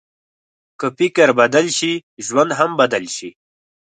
که فکر بدل شي، ژوند هم بدل شي.